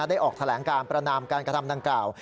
ได้ออกแถลงการประนามการกระทำดังกล่าว